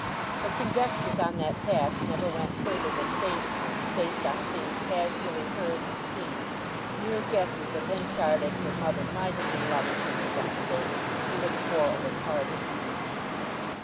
Her conjectures on that past never went further than faint ones based on things casually heard and seen—mere guesses that Henchard and her mother might have been lovers in their younger days, who had quarrelled and parted.